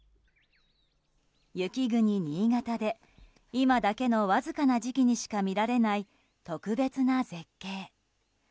雪国・新潟で今だけのわずかな時期にしか見られない特別な絶景。